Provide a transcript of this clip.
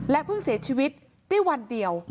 เพิ่งเสียชีวิตได้วันเดียว